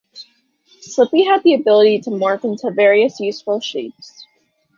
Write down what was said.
Slippy had the ability to morph into various useful shapes.